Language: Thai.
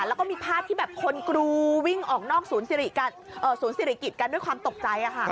แล้วก็มีภาพที่แบบคนกรูวิ่งออกนอกศูนย์ศิริกิจกันด้วยความตกใจ